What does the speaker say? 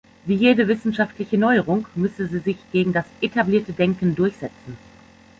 Wie jede wissenschaftliche Neuerung müsse sie sich gegen das etablierte Denken durchsetzen.